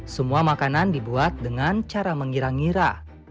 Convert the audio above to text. semua makanan dibuat dengan cara mengira ngira